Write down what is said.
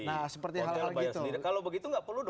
hotel bayar sendiri kalau begitu tidak perlu